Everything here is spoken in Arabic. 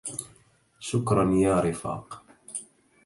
شكرا يا رفاق.